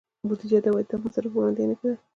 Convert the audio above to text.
بودیجه د عوایدو او مصارفو وړاندوینه ده.